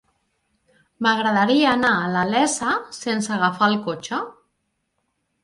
M'agradaria anar a la Iessa sense agafar el cotxe.